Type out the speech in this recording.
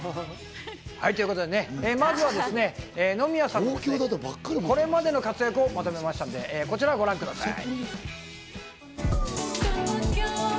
ということでね、まずは野宮さんのこれまでの活躍をまとめましたので、こちらをご覧ください。